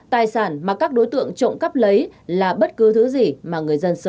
tài sản mà các đối tượng trộm cắp tài sản không tập trung đông dân cư